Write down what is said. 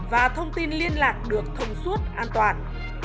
và thông tin liên lạc được thông suốt an toàn